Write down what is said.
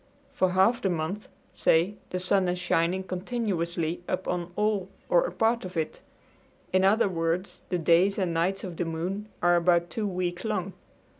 For half the month, say, the sun is shining continuously upon all or a part of it. In other words, the days and nights of the moon are about two weeks long.